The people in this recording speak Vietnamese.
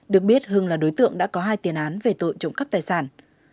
được biết hưng là đối tượng đã có hai tiền án về tội trộm cắp tài sản